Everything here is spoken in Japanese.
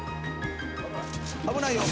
危ないよ。